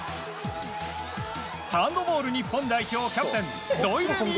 ハンドボール日本代表キャプテン土井レミイ